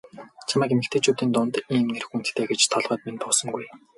Чамайг эмэгтэйчүүдийн дунд ийм нэр хүндтэй гэж толгойд минь буусангүй.